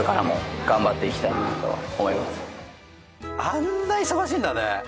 あんな忙しいんだね。